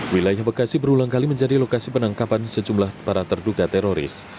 wilayah bekasi berulang kali menjadi lokasi penangkapan sejumlah para terduga teroris